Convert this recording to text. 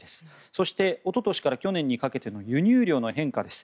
そしておととしから去年にかけての輸入量の変化です。